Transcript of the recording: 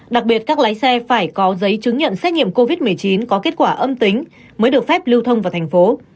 đặc biệt các lái xe phải có giấy chứng nhận xét nghiệm covid một mươi chín có kết quả âm tính mới được phép lưu thông vào thành phố